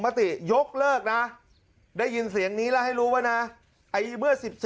มติยกเลิกนะได้ยินเสียงนี้แล้วให้รู้ว่านะไอ้เมื่อ๑๔